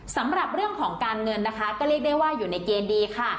สำหรับเรื่องของการเงินนะคะก็เรียกได้ว่าอยู่ในเกณฑ์ดีค่ะ